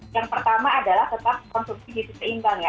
yang pertama adalah tetap konsumsi di situ seimbang ya